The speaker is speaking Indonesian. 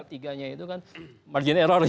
tiga nya itu kan margin error